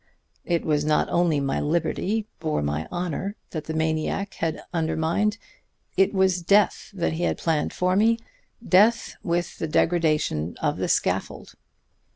It was not only my liberty or my honor that the maniac had undermined. It was death that he had planned for me; death with the degradation of the scaffold.